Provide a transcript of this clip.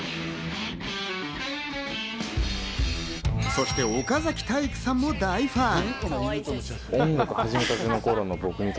そして岡崎体育さんも大ファン。